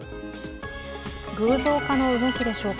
偶像化の動きでしょうか。